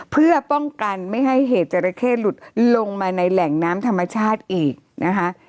เพื่อป้องกันไม่ให้เหตุจราเข้หลุดลงมาในแหล่งน้ำธรรมชาติอีกนะคะ